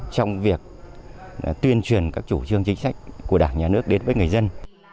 trong việc tuyên truyền các chủ trương chính sách của đảng nhà nước đến với người dân